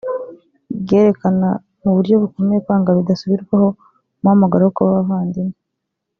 ryerekana mu buryo bukomeye kwanga bidasubirwaho umuhamagaro wo kuba abavandimwe